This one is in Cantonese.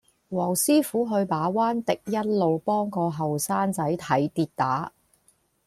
黃師傅去馬灣迪欣路幫個後生仔睇跌打